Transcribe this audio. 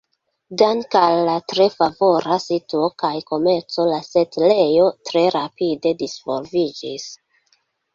Danke al la tre favora situo kaj komerco la setlejo tre rapide disvolviĝis.